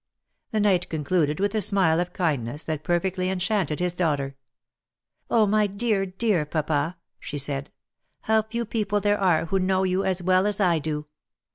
The knight concluded with a smile of kindness, that perfectly enchanted his daughter. " Oh ! my dear, dear papa !" she said, " how few people there are who know you as well as I do